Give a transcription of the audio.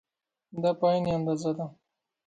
دا په عین اندازه ده.